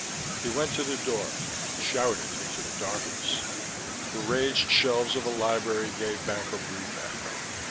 He went to the door, shouted into the darkness. The ranged shelves of a library gave back a brief echo.